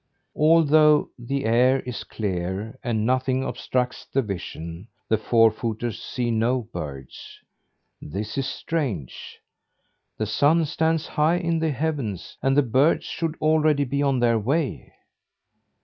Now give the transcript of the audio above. Although the air is clear, and nothing obstructs the vision, the four footers see no birds. This is strange. The sun stands high in the heavens, and the birds should already be on their way.